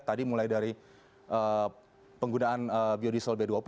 tadi mulai dari penggunaan biodiesel b dua puluh